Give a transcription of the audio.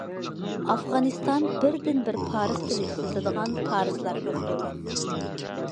ئافغانىستان بىردىن- بىر پارس تىلى ئىشلىتىدىغان پارسلار يوق دۆلەت.